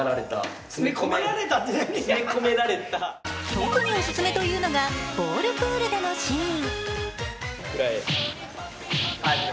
特にお勧めというのがボールプールでのシーン。